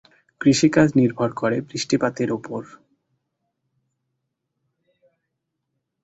কৃষিকাজ নির্ভর করে বৃষ্টিপাতের উপর।